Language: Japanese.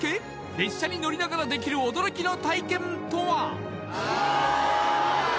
列車に乗りながらできる驚きの体験とは？